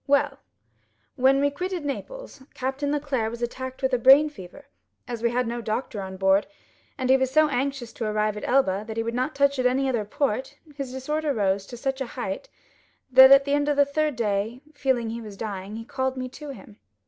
"Well, when we quitted Naples, Captain Leclere was attacked with a brain fever. As we had no doctor on board, and he was so anxious to arrive at Elba, that he would not touch at any other port, his disorder rose to such a height, that at the end of the third day, feeling he was dying, he called me to him.